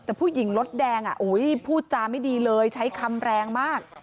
แต่ผู้หญิงรถแดงพูดจาไม่ดีเลยใช้คำแรงมาก